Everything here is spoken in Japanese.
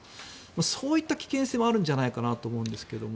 そういった危険性はあるんじゃないかと思うんですけども。